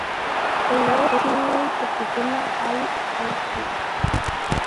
El nuevo single se titula "All Out Life".